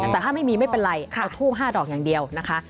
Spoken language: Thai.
แต่ถ้าไม่มีไม่เป็นไรเอาทูบ๕ดอกอย่างเดียวนะคะ